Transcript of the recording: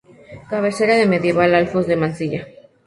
Cabecera del medieval Alfoz de Mansilla.